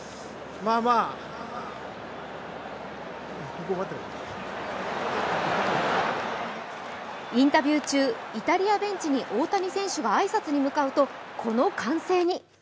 そしてインタビュー中イタリアベンチに大谷選手が挨拶に向かうとこの歓声に。